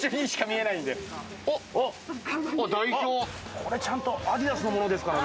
これちゃんとアディダスのものですからね。